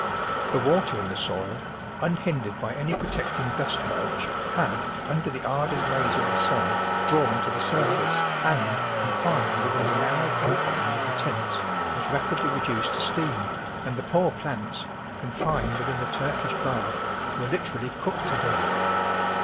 The water in the soil, unhindered by any protecting dust mulch, had, under the ardent rays of the sun, drawn to the surface and, confined within the narrow con fines of the tents, was rapidly reduced to steam, and the poor plants, confined within a Turkish bath, were literally cooked to death.